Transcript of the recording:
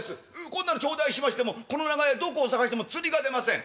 こんなの頂戴しましてもこの長屋どこを探しても釣りが出ません」。